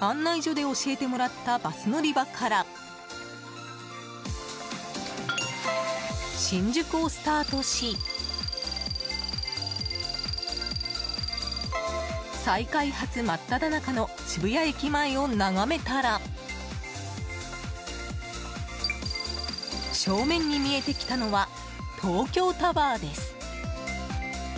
案内所で教えてもらったバス乗り場から新宿をスタートし再開発真っただ中の渋谷駅前を眺めたら正面に見えてきたのは東京タワーです。